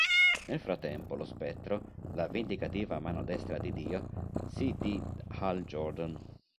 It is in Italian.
Nel frattempo, lo Spettro, la vendicativa mano destra di Dio, si di Hal Jordan.